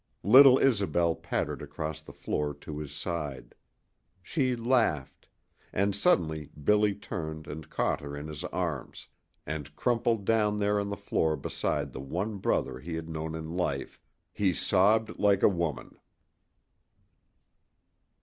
Little Isobel pattered across the floor to his side. She laughed; and suddenly Billy turned and caught her in his arms, and, crumpled down there on the floor beside the one brother he had known in life, he sobbed like a woman.